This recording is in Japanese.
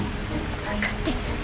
分かってる。